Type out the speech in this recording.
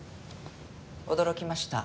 驚きました。